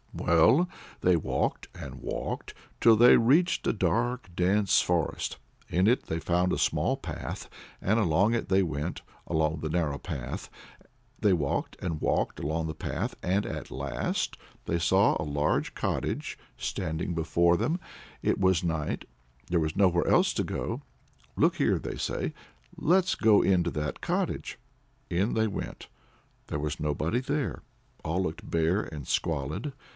Well, they walked and walked till they reached a dark, dense forest. In it they found a small path, and along it they went along the narrow path. They walked and walked along the path, and at last they saw a large cottage standing before them. It was night; there was nowhere else to go to. "Look here," they say, "let's go into that cottage." In they went. There was nobody there. All looked bare and squalid.